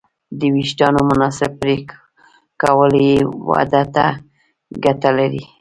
د وېښتیانو مناسب پرېکول یې ودې ته ګټه لري.